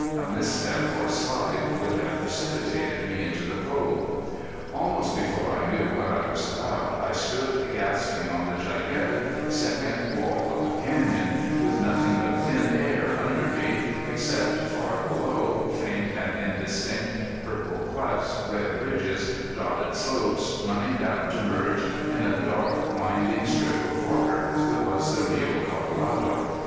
A misstep or slide would have precipitated me into the cove. Almost before I knew what I was about, I stood gasping on the gigantic second wall of the canyon, with nothing but thin air under me, except, far below, faint and indistinct purple clefts, red ridges, dotted slopes, running down to merge in a dark, winding strip of water, that was the Rio Colorado.